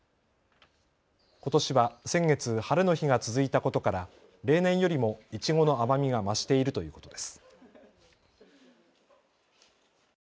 ことしは先月、晴れの日が続いたことから例年よりもいちごの甘みが増しているということです。